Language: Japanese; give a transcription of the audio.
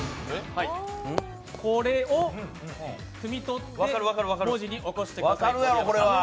これをくみ取って文字に起こしてください。